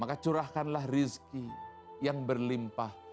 maka curahkanlah rizki yang berlimpah